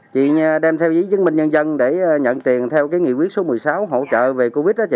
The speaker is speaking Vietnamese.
chị đem theo dĩ chứng minh nhân dân để nhận tiền theo nghị quyết số một mươi sáu hỗ trợ về covid đó chị